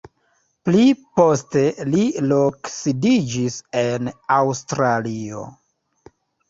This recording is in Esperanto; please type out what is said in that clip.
Pli poste li loksidiĝis en Aŭstralio.